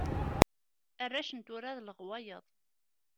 Arrac n tura d leɣwayeḍ.